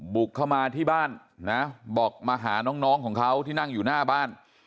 บุกเข้ามาที่บ้านนะบอกมาหาน้องของเขาที่นั่งอยู่หน้าบ้าน